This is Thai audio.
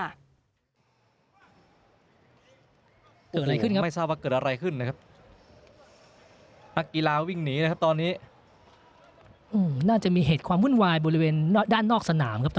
ยังไงขึ้งะไม่ฟับว่าเกิดอะไรขึ้นนะครับ